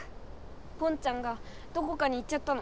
ポンちゃんがどこかに行っちゃったの。